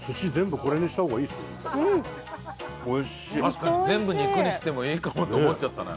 確かに全部肉にしてもいいかもって思っちゃったな。